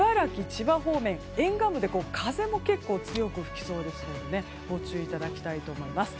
千葉方面沿岸部で風も結構強く吹きそうですのでご注意いただきたいと思います。